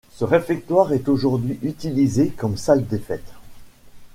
Ce réfectoire est aujourd'hui utilisé comme salle des fêtes.